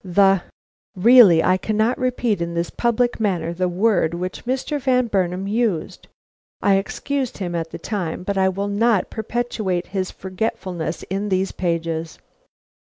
"The " Really I cannot repeat in this public manner the word which Mr. Van Burnam used. I excused him at the time, but I will not perpetuate his forgetfulness in these pages.